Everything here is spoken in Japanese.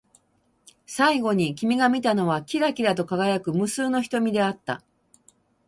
最後に君が見たのは、きらきらと輝く無数の瞳であった。